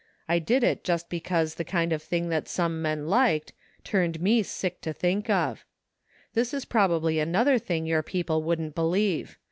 I did it just because the kind of thing that some men liked, turned me sick to think of. This is probably another thing your people wouldn't believe.